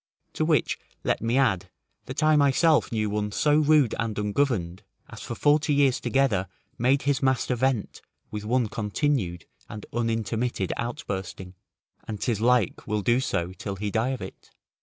To which let me add, that I myself knew one so rude and ungoverned, as for forty years together made his master vent with one continued and unintermitted outbursting, and 'tis like will do so till he die of it.